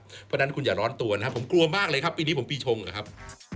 เพราะฉะนั้นคุณอย่าร้อนตัวนะครับ